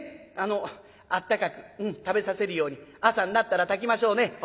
あのあったかく食べさせるように朝になったら炊きましょうね」。